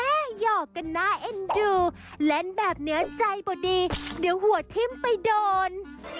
หยอกกันน่าเอ็นดูเล่นแบบเนื้อใจบ่ดีเดี๋ยวหัวทิ้มไปโดน